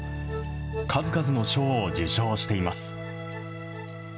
数々の賞を受賞しています。